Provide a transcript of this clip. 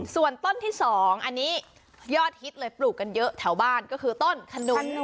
ส่วนต้นที่๒อันนี้ยอดฮิตเลยปลูกกันเยอะแถวบ้านก็คือต้นขนุน